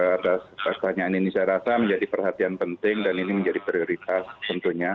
atas pertanyaan ini saya rasa menjadi perhatian penting dan ini menjadi prioritas tentunya